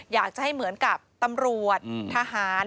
อยากจะให้เหมือนกับตำรวจทหาร